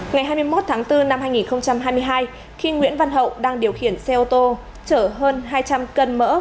ngày hai mươi một tháng bốn năm hai nghìn hai mươi hai khi nguyễn văn hậu đang điều khiển xe ô tô chở hơn hai trăm linh cân mỡ